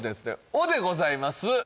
「お」でございます